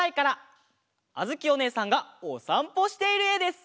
あづきおねえさんがおさんぽしているえです！